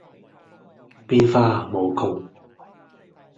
變化無窮